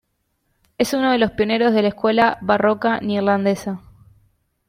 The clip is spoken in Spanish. Es uno de los pioneros de la Escuela Barroca Neerlandesa.